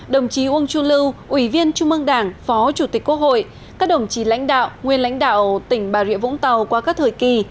đồng chí uông chu lưu ủy viên trung ương đảng phó chủ tịch quốc hội các đồng chí lãnh đạo nguyên lãnh đạo tỉnh bà rịa vũng tàu qua các thời kỳ